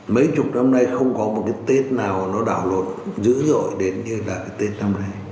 mấy chục năm nay không có một cái tết nào nó đảo lột dữ dội đến như là cái tết năm nay